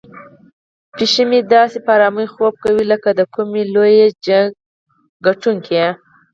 پیشو مې داسې په آرامۍ خوب کوي لکه د کومې لویې جګړې ګټونکی.